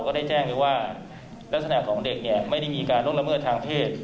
ก็ได้แจ้งไปว่าลักษณะของเด็กเนี่ยไม่ได้มีการล่วงละเมิดทางเพศ